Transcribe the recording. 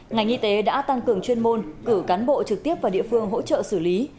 ngành y tế đã tăng cường chuyên môn cử cán bộ trực tiếp vào địa phương hỗ trợ xử lý